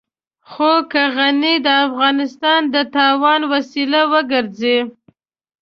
خو که غني د افغانستان د تاوان وسيله وګرځي.